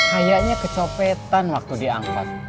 kayaknya kecopetan waktu diangkat